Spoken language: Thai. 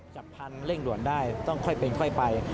จับพันธุ์เร่งด่วนได้ต้องค่อยเป็นค่อยไป